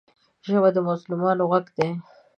ژبه د مظلومانو غږ دی